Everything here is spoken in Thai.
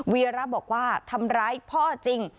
วีระบอกว่าทำร้ายพ่อจริง